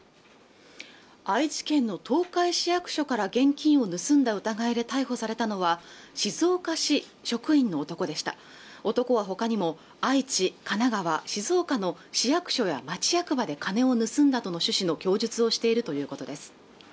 愛知県の東海市役所から現金を盗んだ疑いで逮捕されたのは静岡市職員の男でした男はほかにも愛知、神奈川、静岡の市役所や町役場で金を盗んだとの趣旨の供述をしているということです